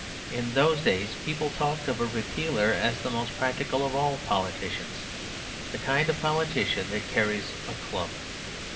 In those days people talked of a "Repealer" as the most practical of all politicians, the kind of politician that carries a club.